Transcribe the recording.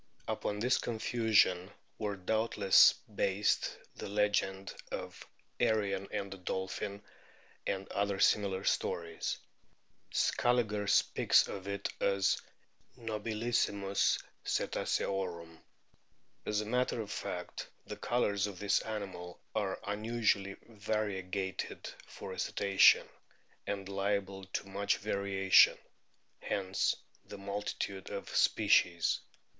Upon this confusion were doubtless based the legend of Arion and the Dolphin and other similar stories. Scaliger speaks of it as " nobilissimus Cetaceorum." As a matter of fact the colours of this animal are unusually variegated for a Cetacean, and liable to much variation (hence the multitude of "species").